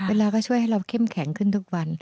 เวลาก็ช่วยให้เราเข้มแข็งขึ้นทุกวัน